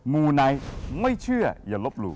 มูไนท์ไม่เชื่ออย่าลบหลู่